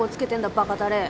バカたれ。